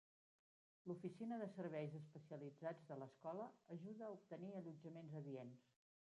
L'oficina de Serveis Especialitzats de l'escola ajuda a obtenir allotjaments adients.